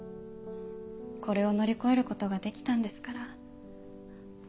これを乗り越えることができたんですから。